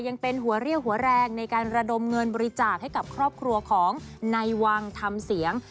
ยังเป็นหัวเรี่ยวหัวแรงในการระดมเงินบริจาคให้กับครอบครัวของในวังทำเสียง